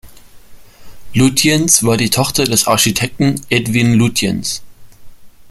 Lutyens war die Tochter des Architekten Edwin Lutyens.